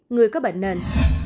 người có bệnh nền